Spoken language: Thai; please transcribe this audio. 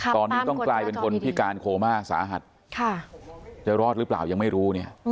ตอนนี้ต้องกลายเป็นคนพิการโคม่าสาหัสจะรอดหรือเปล่ายังไม่รู้เนี่ย